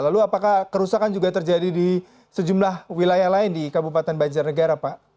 lalu apakah kerusakan juga terjadi di sejumlah wilayah lain di kabupaten banjarnegara pak